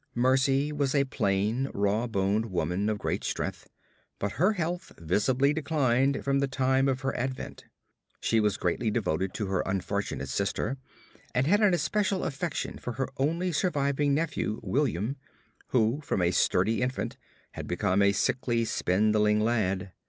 Mercy was a plain, raw boned woman of great strength; but her health visibly declined from the time of her advent. She was greatly devoted to her unfortunate sister, and had an especial affection for her only surviving nephew William, who from a sturdy infant had become a sickly, spindling lad.